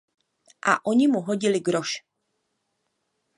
A oni mu hodili groš.